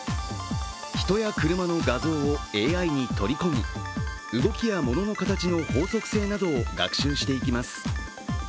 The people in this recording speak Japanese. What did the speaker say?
人や車の画像をＡＩに取り込み動きやものの形の法則性などを学習していきます。